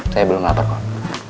saya belum lapar kok